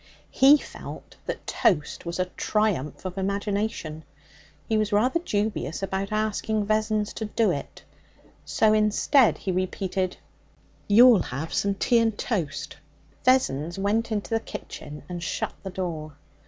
He felt that toast was a triumph of imagination. He was rather dubious about asking Vessons to do it, so instead he repeated, 'You'll have some tea and toast?' Vessons went into the kitchen and shut the door.